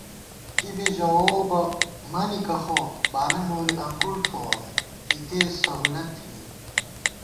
کی بی ژَؤو بہ مَنِکہ خو، بالہ نوری انگُوڑ تھوَہ ، اِتے سہولت تھنی